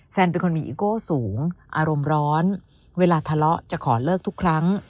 เป็นคนมีอีโก้สูงอารมณ์ร้อนเวลาทะเลาะจะขอเลิกทุกครั้ง